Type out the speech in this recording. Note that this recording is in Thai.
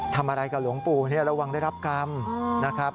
ทำอะไรกับหลวงปู่ระวังได้รับกรรมนะครับ